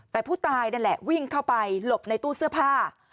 แต่ผู้ตายนั่นแหละวิ่งเข้าไปหลบในตู้เสื้อผ้า